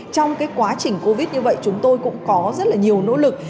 trong quá trình covid như vậy chúng tôi cũng có rất là nhiều nỗ lực